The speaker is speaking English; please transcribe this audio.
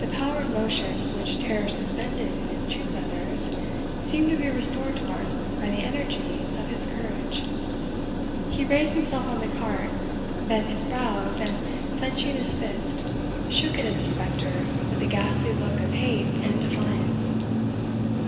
The power of motion, which terror suspended in his two brothers, seemed to be restored to Martin by the energy of his courage. He raised himself on the cart, bent his brows, and, clenching his fist, shook it at the spectre with a ghastly look of hate and defiance.